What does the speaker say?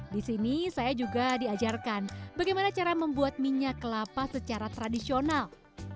di sini saya juga diajarkan bagaimana cara membuat minyak kelapa secara tradisional